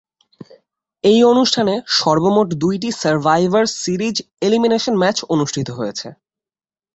এই অনুষ্ঠানে সর্বমোট দুইটি সার্ভাইভার সিরিজ এলিমিনেশন ম্যাচ অনুষ্ঠিত হয়েছে।